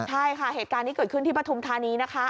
ใช่ค่ะเหตุการณ์นี้เกิดขึ้นที่ปฐุมธานีนะคะ